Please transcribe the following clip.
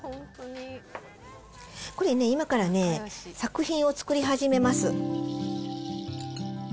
これね、今からね、作品を作り始めます。